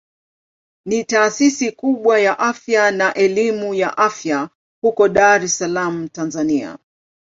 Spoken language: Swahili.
Ni taasisi kubwa ya afya na elimu ya afya huko Dar es Salaam Tanzania.